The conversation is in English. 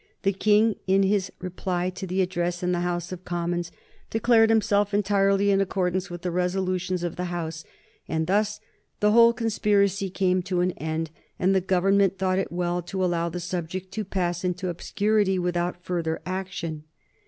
The King, in his reply to the address in the House of Commons, declared himself entirely in accordance with the resolutions of the House, and thus the whole conspiracy came to an end, and the Government thought it well to allow the subject to pass into obscurity without further action.